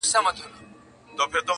• مور په ژړا سي خو عمل بدلولای نه سي,